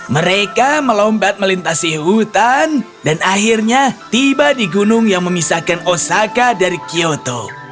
mereka melombat melintasi hutan dan akhirnya tiba di gunung yang memisahkan osaka dari kyoto